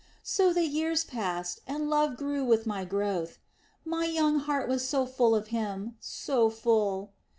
So the years passed, and love grew with my growth. My young heart was so full of him, so full....